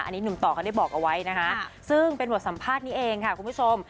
อันนี้หนุ่มต่อเขาได้บอกเอาไว้นะคะซึ่งเป็นบทสัมภาษณ์นี้เองค่ะคุณผู้ชม